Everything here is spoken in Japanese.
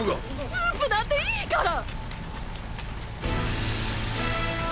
スープなんていいから。